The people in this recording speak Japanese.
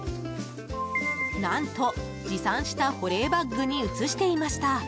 何と、持参した保冷バッグに移していました。